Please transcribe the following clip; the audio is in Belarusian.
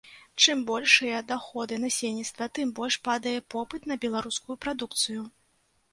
Чым большыя даходы насельніцтва, тым больш падае попыт на беларускую прадукцыю.